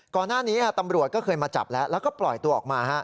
ก่อนหน้านี้ตำรวจก็เคยมาจับแล้วแล้วก็ปล่อยตัวออกมา